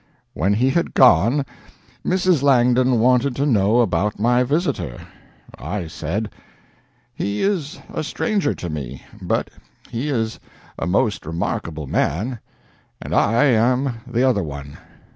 .. When he had gone, Mrs. Langdon wanted to know about my visitor. I said: "He is a stranger to me, but he is a most remarkable man and I am the other one.